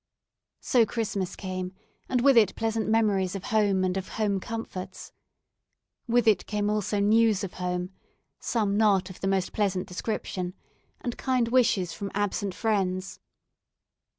So Christmas came, and with it pleasant memories of home and of home comforts. With it came also news of home some not of the most pleasant description and kind wishes from absent friends.